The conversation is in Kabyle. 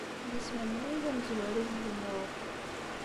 D isem-nnem ay d amezwaru deg wumuɣ.